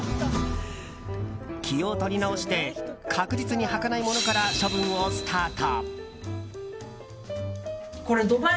気を取り直して確実に履かないものから処分をスタート。